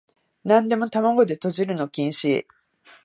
なんでも玉子でとじるの禁止